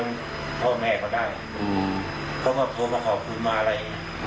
ว่าเซลล์ว่าอะไรมันจะเข้ากันได้